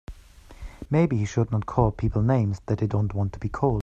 Maybe he should not call people names that they don't want to be called.